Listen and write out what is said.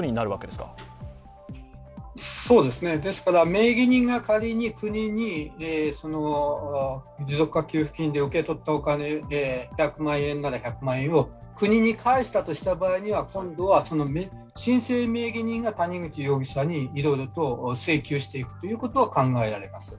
ですから名義人が仮に国に持続化給付金で受け取ったお金１００万円なら１００万円を国に返したとした場合は今度は申請名義人が谷口容疑者にいろいろと請求していくということが考えられます。